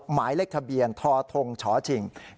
หมายเลขทะเบียนททงชชิง